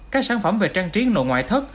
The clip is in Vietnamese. các sản phẩm về trang trí nội ngoại thức